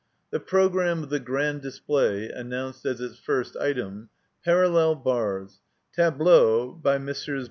The progranmie of the Grand Display announced as its first item : PARALLEL BARS Tableau by Messes.